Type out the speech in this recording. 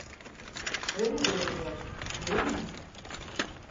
Öyle görünüyor, değil mi?